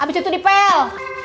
abis itu dipel